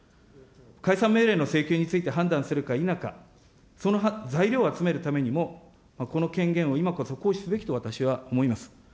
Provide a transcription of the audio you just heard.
解散命令の請求について判断するか否か、その材料を集めるためにも、この権限を今こそ行使すべきと私は思います。